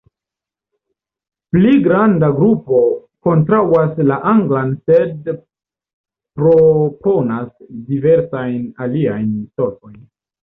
Pli malgranda grupo kontraŭas la anglan sed proponas diversajn aliajn solvojn.